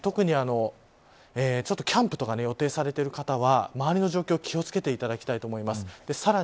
特にキャンプとか予定されている方は周りの状況気を付けていただきたいと思います。